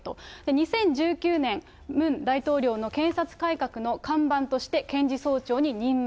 ２０１９年、ムン大統領の検察改革の看板として検事総長に任命。